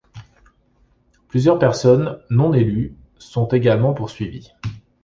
Plusieurs personnes non élues sont également poursuivies.